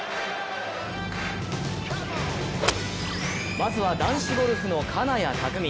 まずは男子ゴルフの金谷拓実。